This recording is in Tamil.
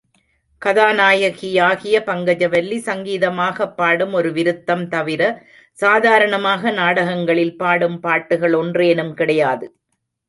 கதா நாயகியாகிய பங்கஜவல்லி, சங்கீதமாகப் பாடும் ஒரு விருத்தம் தவிர, சாதாரணமாக நாடகங்களில் பாடும் பாட்டுகள் ஒன்றேனும் கிடையாது.